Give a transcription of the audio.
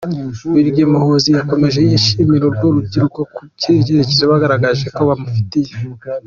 Brig Muhoozi yakomeje ashimira urwo rubyiruko ku cyizerere bagaragaje ko bamufitiye.